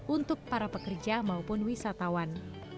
untuk para pekerja maupun wisatawan